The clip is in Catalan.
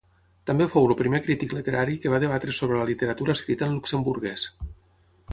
També fou el primer crític literari que va debatre sobre la literatura escrita en luxemburguès.